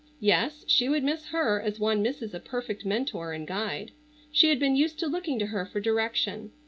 Yes, she would miss her as one misses a perfect mentor and guide. She had been used to looking to her for direction.